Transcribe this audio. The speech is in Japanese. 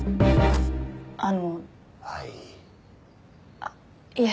あっいえ